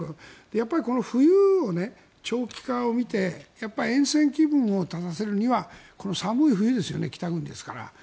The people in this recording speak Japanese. やっぱりこの冬の長期化を見てえん戦気分を立たせるにはこの寒い冬ですよね北国ですから。